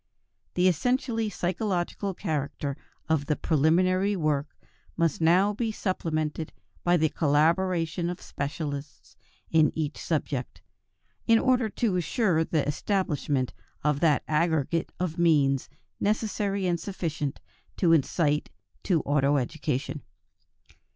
The essentially psychological character of the preliminary work must now be supplemented by the collaboration of specialists in each subject, in order to ensure the establishment of that aggregate of means necessary and sufficient to incite to auto education.